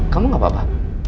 kamu gak apa apa